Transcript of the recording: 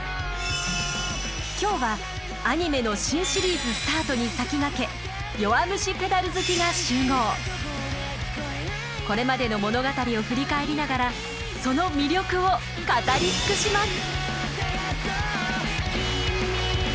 今日はアニメの新シリーズスタートに先駆けこれまでの物語を振り返りながらその魅力を語り尽くします！